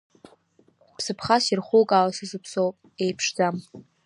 Ԥсыԥхас ирхукаауа са сыԥсоуп, еиԥшӡам.